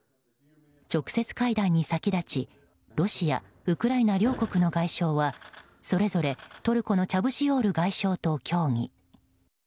直接会談に先立ちロシア、ウクライナ両国の外相はそれぞれトルコのチャブシオール外相と協議。